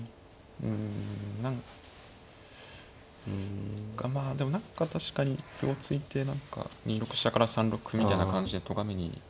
うん何かまあでも何か確かに歩を突いて何か２六飛車から３六歩みたいな感じでとがめに。